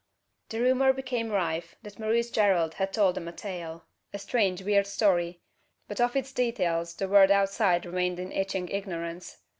The rumour became rife that Maurice Gerald had told them a tale a strange weird story but of its details the world outside remained in itching ignorance.